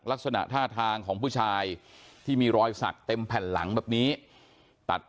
ลักษณะท่าทางของผู้ชายที่มีรอยสักเต็มแผ่นหลังแบบนี้ตัด